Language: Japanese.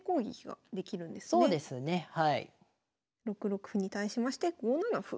６六歩に対しまして５七歩。